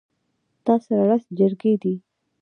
تاسره لس چرګې دي